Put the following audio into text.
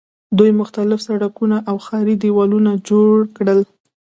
دوی مختلف سړکونه او ښاري دیوالونه جوړ کړل.